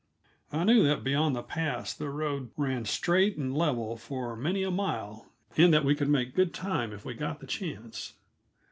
I knew that beyond the pass the road ran straight and level for many a mile, and that we could make good time if we got the chance.